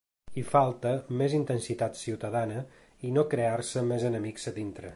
Hi falta més intensitat ciutadana i no crear-se més enemics a dintre.